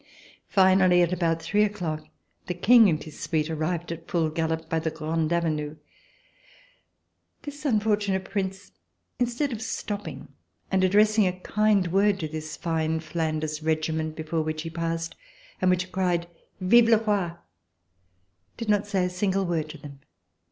Finally, at about three o'clock, the King and his suite arrived at full gallop by the Grande Avenue. VERSAILLES INVADED BY THE MOB This unfortunate Prince, instead of stopping and addressing a kind word to this fine Flanders Regi ment, before which he passed, and which cried: "Vive le Roi!" did not say a single word to them.